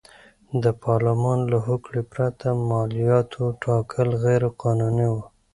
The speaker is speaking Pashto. د پارلمان له هوکړې پرته مالیاتو ټاکل غیر قانوني و.